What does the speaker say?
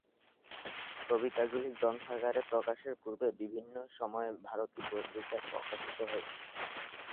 কবিতাগুলি গ্রন্থাকারে প্রকাশের পূর্বে বিভিন্ন সময়ে "ভারতী" পত্রিকায় প্রকাশিত হয়েছিল।